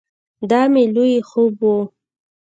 دا مې لوی خوب ؤ